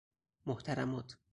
محترمات